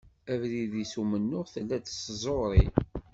Abrid-is n umennuɣ tella-d s tẓuri.